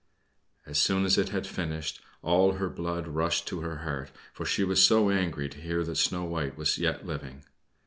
As soon as it had finished, all her blood rushed to her heart, for she was so angry to hear that Snow White was yet living.